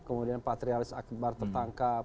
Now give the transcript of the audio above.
kemudian patrialis akbar tertangkap